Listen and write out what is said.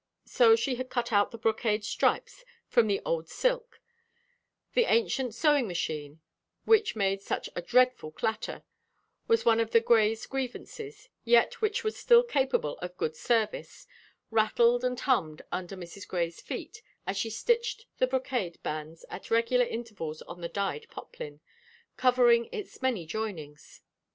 So she had cut out the brocade stripes from the old silk; the ancient sewing machine, which made such a dreadful clatter and was one of the Greys' grievances, yet which was still capable of good service, rattled and hummed under Mrs. Grey's feet, as she stitched the brocade bands at regular intervals on the dyed poplin, covering its many joinings.